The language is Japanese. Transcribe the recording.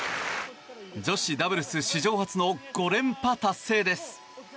女子ダブルス史上初の５連覇達成です。